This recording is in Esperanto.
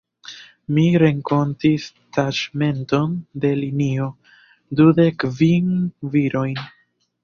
Mi renkontis taĉmenton de linio: dudek kvin virojn.